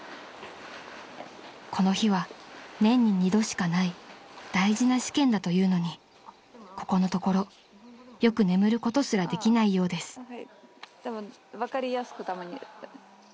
［この日は年に２度しかない大事な試験だというのにここのところよく眠ることすらできないようです］あっ。